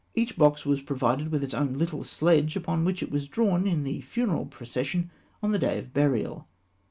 Each box was provided with its own little sledge, upon which it was drawn in the funeral procession on the day of burial.